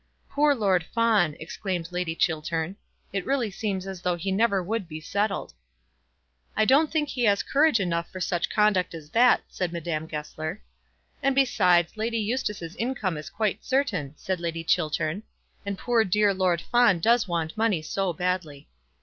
"Poor Lord Fawn!" exclaimed Lady Chiltern. "It really seems as though he never would be settled." "I don't think he has courage enough for such conduct as that," said Madame Goesler. "And besides, Lady Eustace's income is quite certain," said Lady Chiltern, "and poor dear Lord Fawn does want money so badly."